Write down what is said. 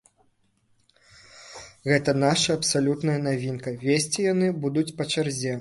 Гэта наша абсалютная навінка, весці яны будуць па чарзе.